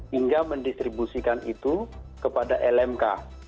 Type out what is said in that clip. hingga mendistribusikan itu kepada lmk